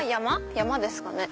山ですかね？